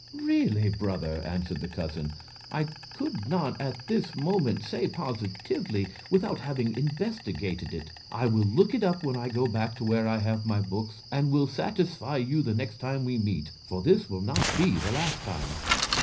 "Really, brother," answered the cousin, "I could not at this moment say positively without having investigated it; I will look it up when I go back to where I have my books, and will satisfy you the next time we meet, for this will not be the last time."